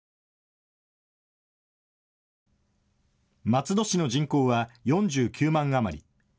松戸市の人口は４９万余り。